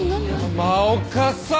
浜岡さん！